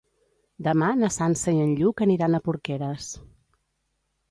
Demà na Sança i en Lluc aniran a Porqueres.